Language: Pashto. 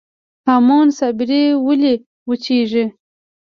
هامون صابري ولې وچیږي؟